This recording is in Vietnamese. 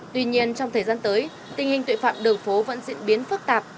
tuy nhiên trong thời gian tới tình hình tội phạm đường phố vẫn diễn biến phức tạp